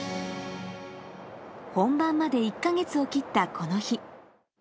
本番まで１か月を切ったこの日。